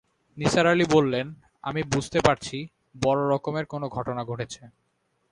নিসার আলি বললেন, আমি বুঝতে পারছি বড় রকমের কোনো ঘটনা ঘটেছে।